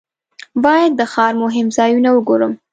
باید د ښار مهم ځایونه وګورم.